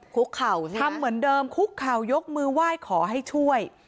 คุกเข่าสิทำเหมือนเดิมคุกเข่ายกมือไหว้ขอให้ช่วย